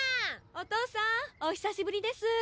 おとうさんお久しぶりです。